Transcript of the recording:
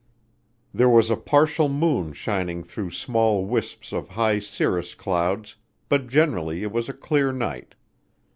There was a partial moon shining through small wisps of high cirrus clouds but generally it was a clear night.